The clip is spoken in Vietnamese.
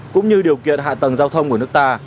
cũng như điều kiện hạ tầng giao thông của nước ta